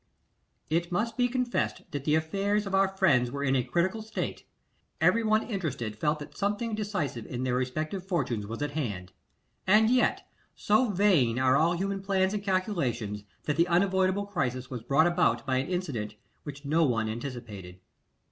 IT MUST be confessed that the affairs of our friends were in a critical state: everyone interested felt that something decisive in their respective fortunes was at hand. And, yet, so vain are all human plans and calculations, that the unavoidable crisis was brought about by an incident which no one anticipated.